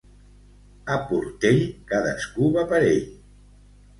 A Portell, cadascú va per ell.